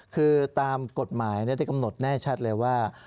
คือตามกฎหมายได้กำหนดแน่ชัดเลยว่า